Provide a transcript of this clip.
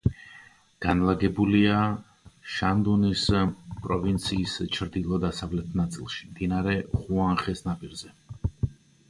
განლაგებულია შანდუნის პროვინციის ჩრდილო-დასავლეთ ნაწილში, მდინარე ხუანხეს ნაპირზე.